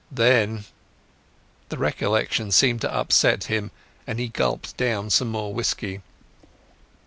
Then...." The recollection seemed to upset him, and he gulped down some more whisky.